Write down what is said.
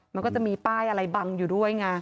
มันก็จะมีป้ายอะไรบังอยู่ด้วยไง